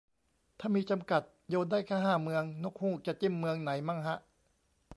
ถ้ามีจำกัด โยนได้แค่ห้าเมือง นกฮูกจะจิ้มเมืองไหนมั่งฮะ